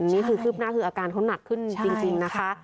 นี่คือคืบหน้าคืออาการทดหนักขึ้นจริงนะคะ